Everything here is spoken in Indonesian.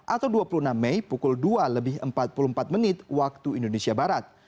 atau dua puluh enam mei pukul dua lebih empat puluh empat menit waktu indonesia barat